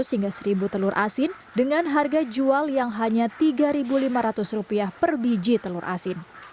seratus hingga seribu telur asin dengan harga jual yang hanya rp tiga lima ratus per biji telur asin